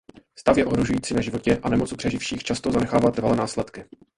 Stav je ohrožující na životě a nemoc u přeživších často zanechává trvalé následky.